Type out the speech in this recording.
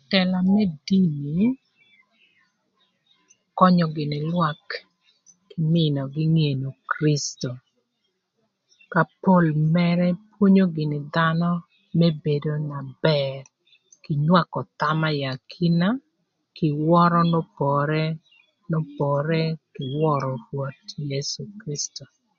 Ëtëla më dini, könyö gïnï lwak kï mïnögï ngeno Kiricito ëka pol mërë pwonyo gïnï dhanö më bedo na bër kï nywakö thama ï akina kï wörö n'opore n'opore kï wörö Rwoth Yecu Kiricito.